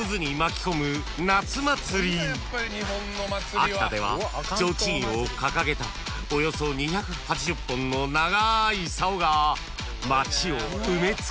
［秋田では提灯を掲げたおよそ２８０本の長い竿が街を埋め尽くし］